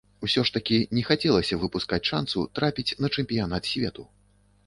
Усё ж такі не хацелася выпускаць шанцу трапіць на чэмпіянат свету.